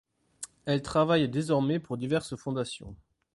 Elle travaille désormais pour diverses fondations.